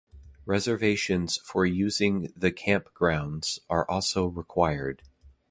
Reservations for using the campgrounds are also required.